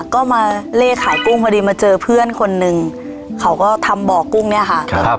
ก็มาเล่ขายกุ้งพอดีมาเจอเพื่อนคนหนึ่งเขาก็ทำบ่อกุ้งเนี่ยค่ะครับ